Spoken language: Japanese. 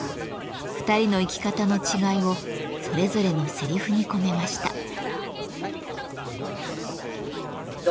２人の生き方の違いをそれぞれのせりふに込めました。